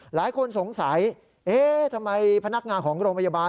หลายคนสงสัยเอ๊ะทำไมพนักงานของโรงพยาบาล